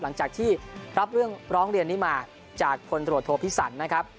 หลังจากที่รับเรื่องร้องเรียนนี้มาจากคนตรวจโทพิสันนะครับ